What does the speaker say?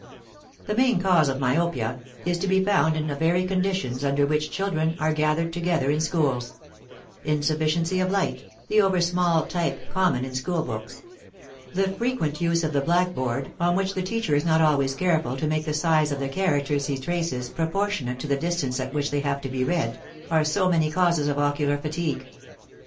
"The main cause of myopia is to be found in the very conditions under which children are gathered together in schools: insufficiency of light, the over small type common in school books, the frequent use of the blackboard, on which the teacher is not always careful to make the size of the characters he traces proportionate to the distance at which they have to be read, are so many causes of ocular fatigue.